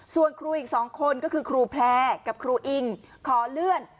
ส่วนครูอีก๒คนก็คือครูแพลร์กับครูอิงขอเลื่อน